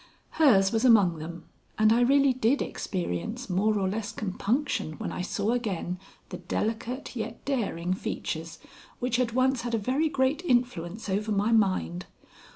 Hers was among them, and I really did experience more or less compunction when I saw again the delicate yet daring features which had once had a very great influence over my mind.